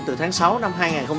từ tháng sáu năm hai nghìn hai mươi